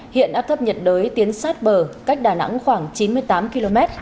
hiện áp thấp nhiệt đới tiến sát bờ cách đà nẵng khoảng chín mươi tám km